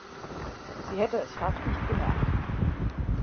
Sie hätte es fast nicht gemerkt.